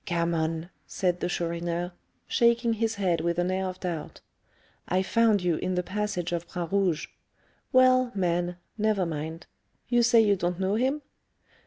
"Gammon!" said the Chourineur, shaking his head with an air of doubt. "I found you in the passage of Bras Rouge. Well, man, never mind. You say you don't know him?"